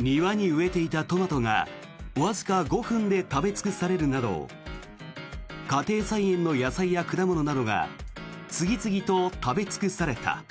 庭に植えていたトマトがわずか５分で食べ尽くされるなど家庭菜園の野菜や果物などが次々と食べ尽くされた。